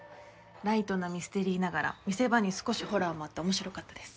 ライトなミステリーながら見せ場に少しホラーもあって面白かったです。